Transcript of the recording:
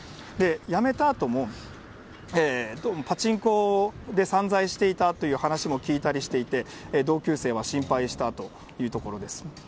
やめたあともどうもパチンコで散財していたという話も聞いたりしていて、同級生は心配したというところです。